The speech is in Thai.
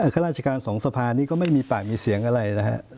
ข้าราชการสองสภานี้ก็ไม่มีปากมีเสียงอะไรนะฮะ